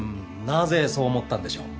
なぜそう思ったんでしょう？